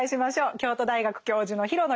京都大学教授の廣野由美子さんです。